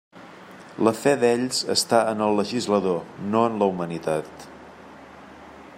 La fe d'ells està en el legislador, no en la humanitat.